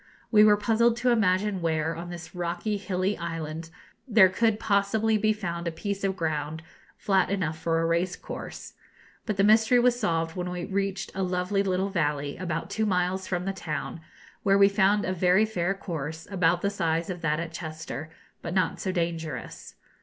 We were puzzled to imagine where, on this rocky, hilly island, there could possibly be found a piece of ground flat enough for a race course. But the mystery was solved when we reached a lovely little valley, about two miles from the town, where we found a very fair course, about the size of that at Chester, but not so dangerous.